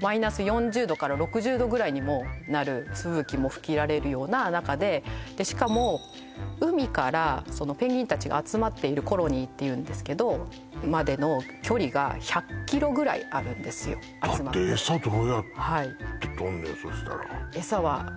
４０度から６０度ぐらいにもなる吹雪も吹き荒れるような中ででしかも海からそのペンギンたちが集まっている「コロニー」っていうんですけどまでの距離が１００ｋｍぐらいあるんですよだってエサどうやってとんのよ？